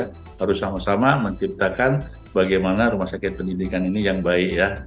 kita harus sama sama menciptakan bagaimana rumah sakit pendidikan ini yang baik ya